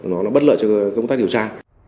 nó là bất lợi cho công tác điều tra